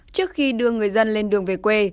trước khi đưa người dân lên đường về quê